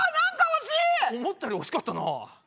思ったより惜しかったな。